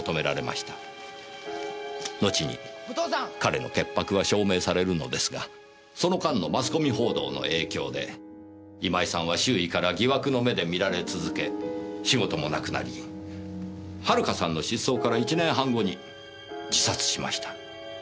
後に彼の潔白は証明されるのですがその間のマスコミ報道の影響で今井さんは周囲から疑惑の目で見られ続け仕事もなくなり遥さんの失踪から１年半後に自殺しました。